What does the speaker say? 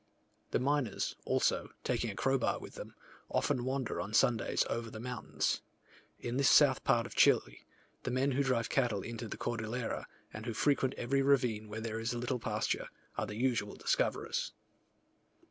The miners, also, taking a crowbar with them, often wander on Sundays over the mountains. In this south part of Chile, the men who drive cattle into the Cordillera, and who frequent every ravine where there is a little pasture, are the usual discoverers.